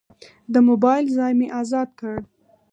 د موبایل ځای مې ازاد کړ.